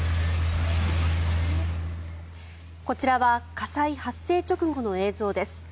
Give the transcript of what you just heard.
こちらは火災発生直後の映像です。